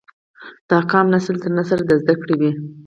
دا قام نسل در نسل زده کړي وي